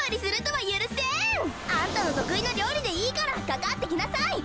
あんたのとくいなりょうりでいいからかかってきなさい！